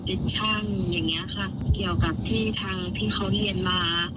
ติดช่างอย่างนี้ค่ะเกี่ยวกับที่ทางที่เขาเรียนมา